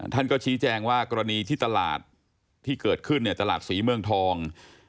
ท่านก็ชี้แจงว่ากรณีที่ตลาดที่เกิดขึ้นเนี่ยตลาดศรีเมืองทอง